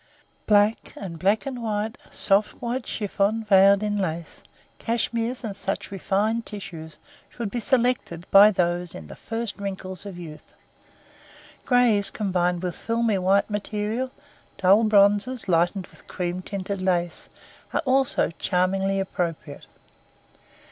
Black, and black and white, soft white chiffon veiled in lace, cashmeres, and such refined tissues should be selected by those in "the first wrinkles of youth." Grays combined with filmy white material, dull bronzes lightened with cream tinted lace, are also charmingly appropriate.